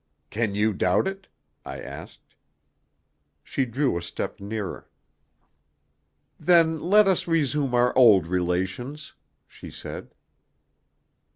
"Can you doubt it?" I asked. She drew a step nearer. "Then let us resume our old relations," she said.